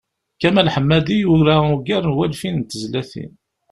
Kamal Ḥemmadi yura ugar n walfin n tezlatin.